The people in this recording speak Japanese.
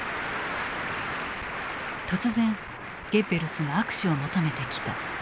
突然ゲッベルスが握手を求めてきた。